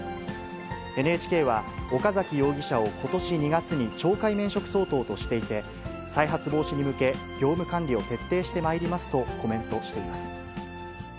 ＮＨＫは、岡崎容疑者をことし２月に懲戒免職相当としていて、再発防止に向け、業務管理を徹底してまいりますとコメントしています。